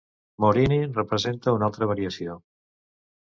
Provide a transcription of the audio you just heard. "Morini" representa una altra variació.